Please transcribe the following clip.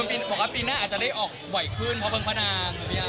มีคนบอกว่าปีหน้าอาจจะได้ออกไหวขึ้นเพราะเพิ่งพระนามนะครับพี่อั๊ม